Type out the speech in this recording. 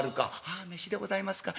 「ああ飯でございますか。